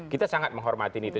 kita sangat menghormatin itu